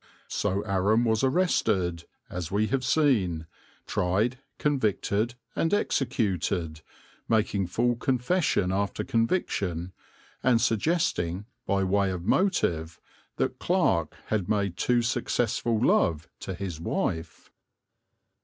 So Aram was arrested, as we have seen, tried, convicted and executed, making full confession after conviction, and suggesting, by way of motive, that Clarke had made too successful love to his wife.